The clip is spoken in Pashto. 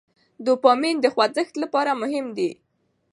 ډوپامین د خوځښت لپاره مهم دی.